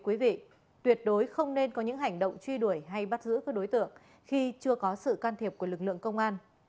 quý vị tuyệt đối không nên có những hành động truy đuổi hay bắt giữ các đối tượng khi chưa có sự can thiệp của lực lượng công an